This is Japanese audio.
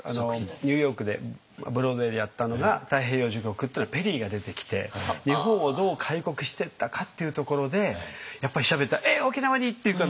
ニューヨークでブロードウェイでやったのが「太平洋序曲」っていうのはペリーが出てきて日本をどう開国していったかっていうところでやっぱり調べたら「えっ沖縄に！」っていう感じで。